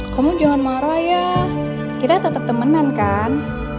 kamu jangan marah ya kita tetap temenan kan